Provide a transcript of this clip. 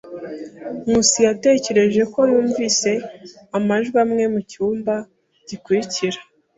Nkusi yatekereje ko yumvise amajwi amwe mucyumba gikurikira.